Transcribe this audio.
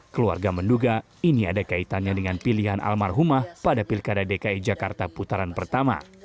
keluarga menduga ini ada kaitannya dengan pilihan almarhumah pada pilkada dki jakarta putaran pertama